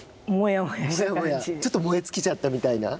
ちょっと燃え尽きちゃったみたいな？